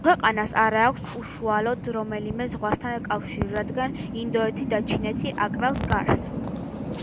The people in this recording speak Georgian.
ქვეყანას არ აქვს უშუალოდ რომელიმე ზღვასთან კავშირი, რადგან ინდოეთი და ჩინეთი აკრავს გარს.